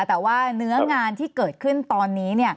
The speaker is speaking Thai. แต่ว่าเนื้องานที่เกิดขึ้นตอนนี้